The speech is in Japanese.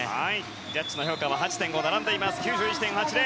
ジャッジの評価は８．５が並んで９１．８０。